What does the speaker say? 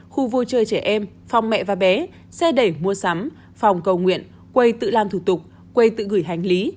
khu vui chơi trẻ em phòng mẹ và bé xe đẩy mua sắm phòng cầu nguyện quầy tự làm thủ tục quây tự gửi hành lý